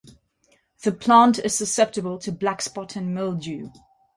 The plant is susceptible to blackspot and mildew.